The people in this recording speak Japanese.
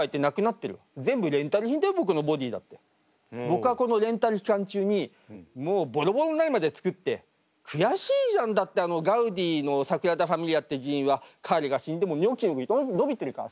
僕はこのレンタル期間中にもうボロボロになるまで作って悔しいじゃんだってあのガウディのサグラダ・ファミリアっていう寺院は彼が死んでもニョキニョキ伸びてるからさ。